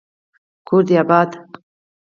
کور دي اباد